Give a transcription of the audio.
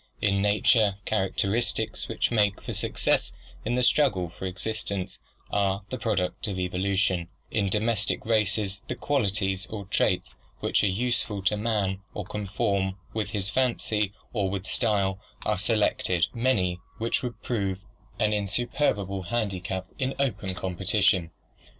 In nature, characteristics which make for success in the struggle for existence are the product of evolu tion; in domestic races the qualities or traits which are useful to man or conform with his fancy or with style are selected, many of 128 ORGANIC EVOLUTION which would prove an insuperable handicap in open competition.